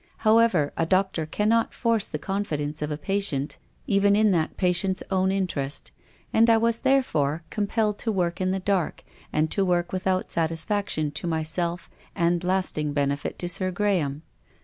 However, a doctor cannot force the confidence of a patient even in that patient's own interest, and I was, therefore, compelled to work in the dark, and to work without satisfaction to myself and lasting benefit to Sir Graham.